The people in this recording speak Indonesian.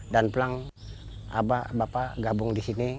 dan pulang bapak gabung disini